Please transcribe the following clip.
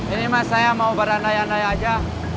ini mas saya mau berandai andai aja